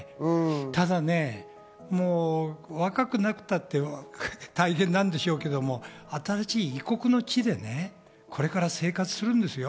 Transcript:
ただ、若くなくたって大変なんでしょうけども新しい異国の地でこれから生活するんですよ。